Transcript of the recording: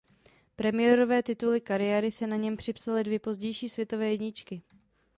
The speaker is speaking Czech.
Premiérové tituly kariéry si na něm připsaly dvě pozdější světové jedničky.